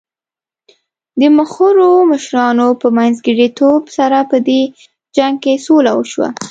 د مخورو مشرانو په منځګړیتوب سره په دې جنګ کې سوله وشوه.